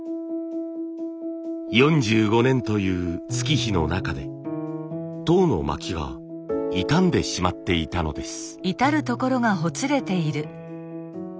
４５年という月日の中で籐の巻きが傷んでしまっていたのです。